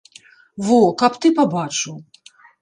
Во, каб ты пабачыў.